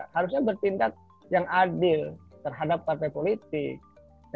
harusnya bertindak yang adil terhadap partai politik